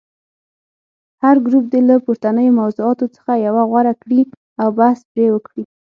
هر ګروپ دې له پورتنیو موضوعاتو څخه یوه غوره کړي او بحث پرې وکړي.